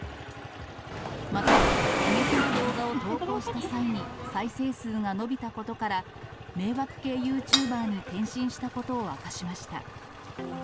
また、過激な動画を投稿した際に、再生数が伸びたことから、迷惑系ユーチューバーに転身したことを明かしました。